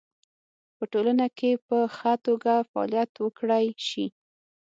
په ټولنه کې په خه توګه فعالیت وکړی شي